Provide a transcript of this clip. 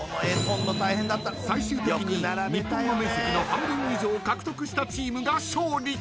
［最終的に日本の面積の半分以上獲得したチームが勝利］